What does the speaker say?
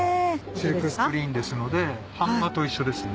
シルクスクリーンですので版画と一緒ですね。